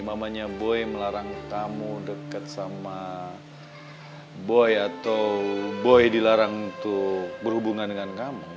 mamanya boy melarang tamu dekat sama boy atau boy dilarang untuk berhubungan dengan kamu